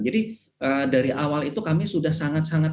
jadi dari awal itu kami sudah sangat sangat